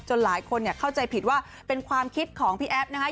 หลายคนเข้าใจผิดว่าเป็นความคิดของพี่แอฟนะคะ